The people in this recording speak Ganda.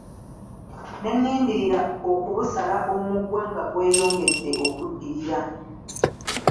Ne nnindirira okubusala omugwa nga gweyongedde okuddirira.